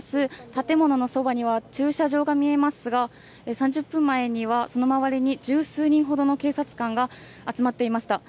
建物のそばには駐車場が見えますが、３０分前にはその周りに十数人ほどの警察官が集まっていました。